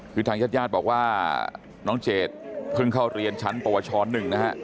คือทางญาติญาติบอกว่าน้องเจดเพิ่งเข้าเรียนชั้นปวช๑นะฮะ